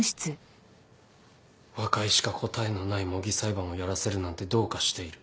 和解しか答えのない模擬裁判をやらせるなんてどうかしている。